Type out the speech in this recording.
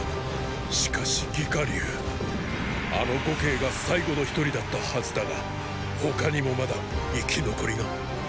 しかし“魏火龍”あの呉慶が最後の一人だったはずだが他にもまだ生き残りが？